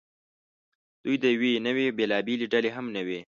دوی د یوې نوعې بېلابېلې ډلې هم نه وې.